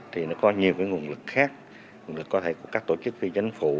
thì nó có nhiều cái nguồn lực khác nguồn lực có thể của các tổ chức phi giánh phủ